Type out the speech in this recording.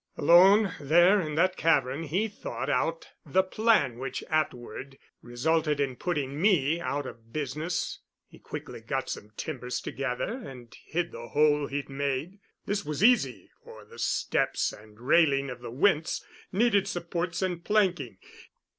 "Alone there in that cavern he thought out the plan which afterward resulted in putting me out of business. He quickly got some timbers together and hid the hole he'd made. This was easy, for the steps and railing of the winze needed supports and planking.